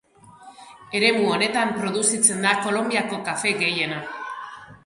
Eremu honetan produzitzen da Kolonbiako kafe gehiena.